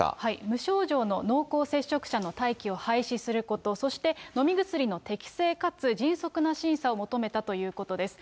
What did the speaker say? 無症状の濃厚接触者の待機を廃止すること、そして、飲み薬の適正かつ迅速な審査を求めたということです。